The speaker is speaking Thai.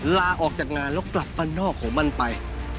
ลาออกจากงานแล้วกลับบ้านนอกของมันไป